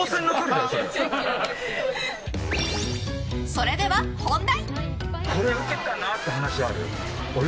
それでは、本題。